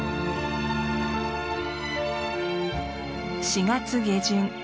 ４月下旬。